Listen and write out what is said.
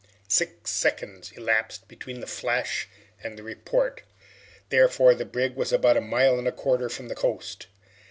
Six seconds elapsed between the flash and the report. Therefore the brig was about a mile and a quarter from the coast.